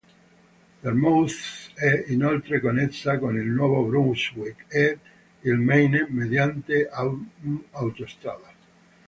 Yarmouth è inoltre connessa con il Nuovo Brunswick ed il Maine mediante un'autostrada.